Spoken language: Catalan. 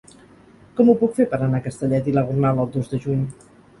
Com ho puc fer per anar a Castellet i la Gornal el dos de juny?